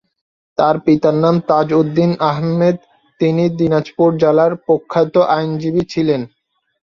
তার পিতার নাম তাজউদ্দিন আহমেদ; তিনি দিনাজপুর জেলার প্রখ্যাত আইনজীবী ছিলেন।